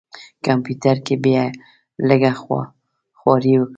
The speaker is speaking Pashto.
کمپیوټر کې یې لږه خواري وکړه.